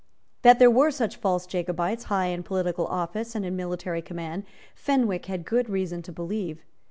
That there were such false Jacobites, high in political office and in military command, Fenwick had good reason to believe.